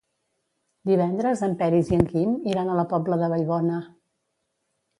Divendres en Peris i en Quim iran a la Pobla de Vallbona.